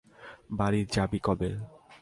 বাড়ি যাবি কবে?